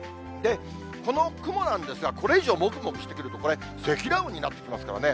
この雲なんですが、これ以上もくもくしてくると、これ、積乱雲になってきますからね。